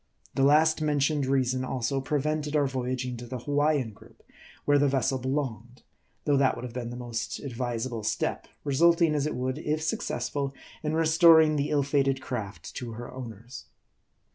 The last mentioned reason, also, prevented our voyaging to the Hawaiian group, where the vessel belonged ; though that would have been the most advisable step, resulting, as it would, if successful, in restor ing the ill fated craft to her owners.